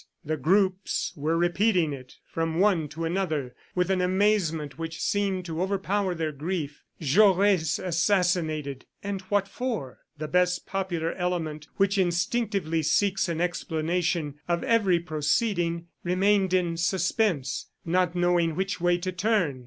The groups were repeating it from one to another with an amazement which seemed to overpower their grief. "Jaures assassinated! And what for?" The best popular element, which instinctively seeks an explanation of every proceeding, remained in suspense, not knowing which way to turn.